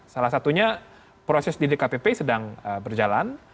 salah satunya proses didik kpp sedang berjalan